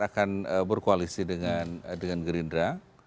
akan berkoalisi dengan gerindra